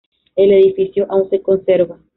El edificio aún se conserva.